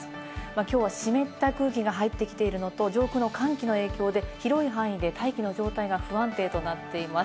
きょうは湿った空気が入ってきているのと、上空の寒気の影響で広い範囲で大気の状態が不安定となっています。